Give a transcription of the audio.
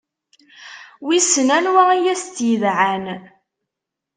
Wissen anwa i as-tt-yedɛan.